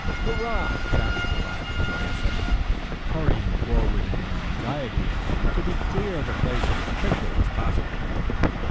"Hurrah!" shouted the lads joyously, hurrying forward in their anxiety to be clear of the place as quickly as possible.